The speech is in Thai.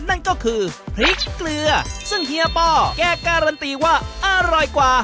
นั่นก็คือพริกเกลือซึ่งเฮียป้อแกการันตีว่าอร่อยกว่า